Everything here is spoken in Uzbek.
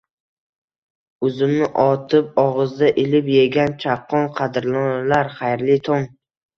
Uzumni otib og'izda ilib yegan chaqqon qadrdonlar, xayrli tong!